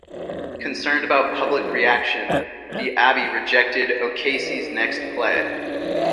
Concerned about public reaction, the Abbey rejected O'Casey's next play.